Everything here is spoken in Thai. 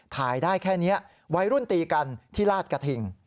ถ่ายได้แค่นี้วัยรุ่นตีกันที่ลาดกระถิ่ง